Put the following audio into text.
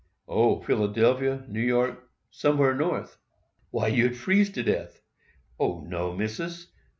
"O! Philadelphia—New York—somewhere North." "Why, you'd freeze to death." "O, no, Missis!